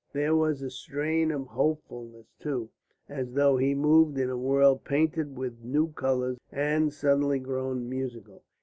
There was a strain of hopefulness too, as though he moved in a world painted with new colours and suddenly grown musical.